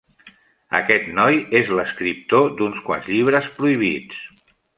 Aquest noi és l'escriptor d'uns quants llibres prohibits.